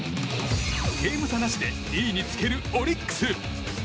ゲーム差なしで２位につけるオリックス。